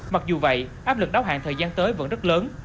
mặc dù vậy áp lực đáo hạn thời gian tới vẫn rất lớn